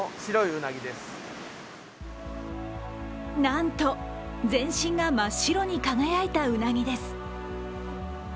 なんと、全身が真っ白に輝いたうなぎです。